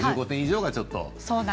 １５点以上がちょっと。